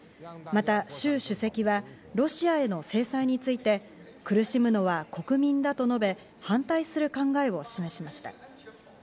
またシュウ主席はロシアへの制裁について、苦しむのは国民だと述べ、反対する考えを示しました。